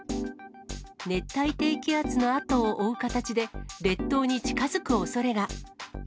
熱帯低気圧のあとを追う形で、列島に近づくおそれが。